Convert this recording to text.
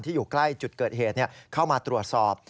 อยู่ใกล้จุดเกิดเหตุเข้ามาตรวจสอบ